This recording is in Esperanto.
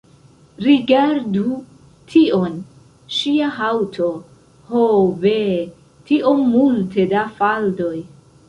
Rigardu tion; ŝia haŭto! ho ve! tiom multe da faldoj